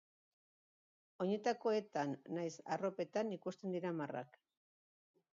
Oinetakoetan nahiz arropetan ikusten dira marrak.